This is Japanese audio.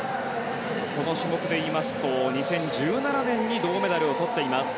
この種目で言いますと２０１７年に銅メダルをとっています。